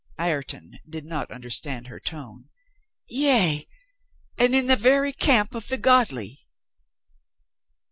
(Ireton did not understand her tone.) "Yea, and in the very camp of the godly